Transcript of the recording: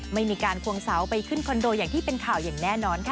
ไม่มีการควงเสาไปขึ้นคอนโดอย่างที่เป็นข่าวอย่างแน่นอนค่ะ